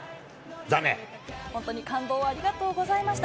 本当に感動をありがとうございました。